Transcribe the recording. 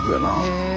へえ。